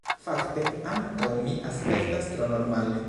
Fakte, ankaŭ mi aspektas tro normale.